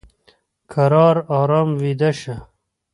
کرار ارام ویده شه !